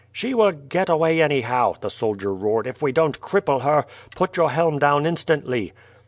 "She will get away anyhow," the soldier roared, "if we don't cripple her. Put your helm down instantly."